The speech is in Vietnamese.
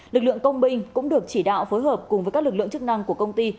lực lượng công binh cũng được chỉ đạo phối hợp cùng với các lực lượng chức năng của công ty